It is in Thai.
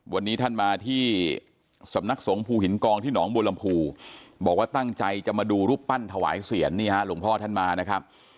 วันนี้ท่านมาที่สำนักสงภูหินกองที่หนองบัวลำพูบอกว่าตั้งใจจะมาดูรูปปั้นถวายเสียงนี่ฮะหลวงพ่อท่านมานะครับ